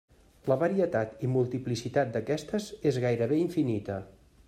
La varietat i multiplicitat d'aquestes és gairebé infinita.